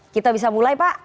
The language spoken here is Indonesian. kita bisa mulai pak